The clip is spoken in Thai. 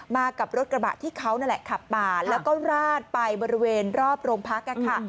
มากับรถกระบะที่เขานั่นแหละขับมาแล้วก็ราดไปบริเวณรอบโรงพักค่ะ